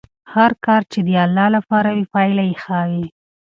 هر کار چې د الله لپاره وي پایله یې ښه وي.